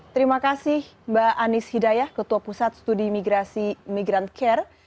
terima kasih mbak anies hidayah ketua pusat studi migrasi migrant care